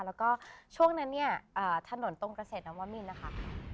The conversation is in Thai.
แล้วก็ช่วงนั้นถนนตรงเกษตรน้ำวะมีนนะคะ